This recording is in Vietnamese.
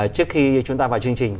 trước khi chúng ta vào chương trình